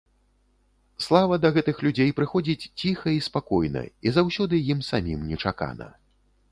Слава да гэтых людзей прыходзіць ціха і спакойна, і заўсёды ім самім нечакана.